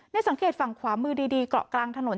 สังเกตฝั่งขวามือดีเกาะกลางถนน